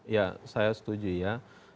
ya saya setuju ya